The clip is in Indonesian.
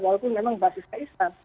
walaupun memang basisnya islam